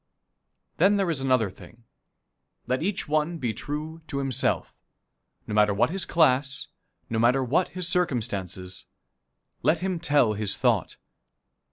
Then there is another thing. Let each one be true to himself. No matter what his class, no matter what his circumstances, let him tell his thought.